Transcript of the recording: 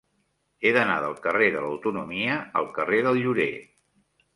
He d'anar del carrer de l'Autonomia al carrer del Llorer.